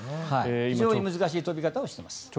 非常に難しい跳び方をしています。